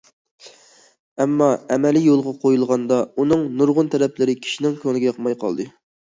ئەمما ئەمەلىي يولغا قويۇلغاندا، ئۇنىڭ نۇرغۇن تەرەپلىرى كىشىنىڭ كۆڭلىگە ياقماي قالدى.